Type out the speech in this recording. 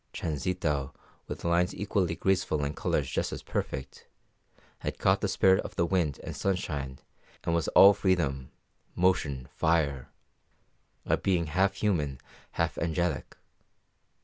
Transita, with lines equally graceful and colours just as perfect, had caught the spirit of the wind and sunshine and was all freedom, motion, fire a being half human, half angelic.